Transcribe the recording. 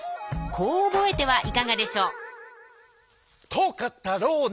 こう覚えてはいかがでしょう？